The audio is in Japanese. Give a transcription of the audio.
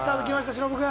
忍君。